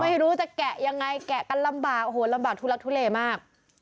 ไม่รู้จะแกะยังไงแกะกันลำบากโอ้โหลำบากทุลักทุเลมาก